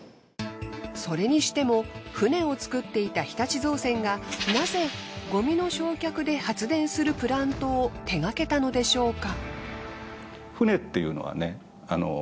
それにしても船を造っていた日立造船がなぜごみの焼却で発電するプラントを手がけたのでしょうか？